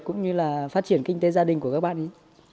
cũng như là phát triển kinh tế gia đình của các bạn ấy